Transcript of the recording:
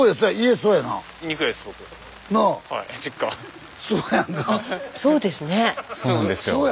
そうなんですよ。